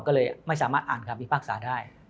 ก็เลยไม่สามารถอ่านคำพิพากษาได้